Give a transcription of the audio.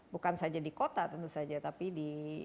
bukan saja di kota tentu saja tapi di